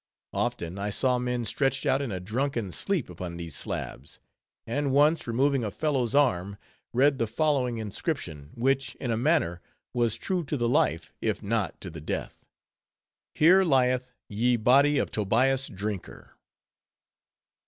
Often, I saw men stretched out in a drunken sleep upon these slabs; and once, removing a fellow's arm, read the following inscription, which, in a manner, was true to the life, if not to the death:— HERE LYETH YE BODY OF TOBIAS DRINKER.